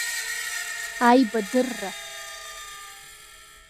Аибадырра…